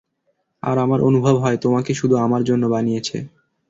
আর আমার অনুভব হয়, তোমাকে শুধু আমার জন্য বানিয়েছে।